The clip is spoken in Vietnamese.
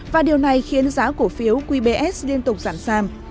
và điều này khiến giá cổ phiếu qbs liên tục giảm sàm